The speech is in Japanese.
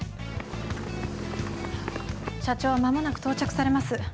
社長は間もなく到着されます。